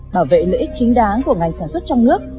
bảo vệ lợi ích chính đáng của ngành sản xuất trong nước